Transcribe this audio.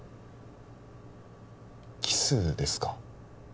キスですか？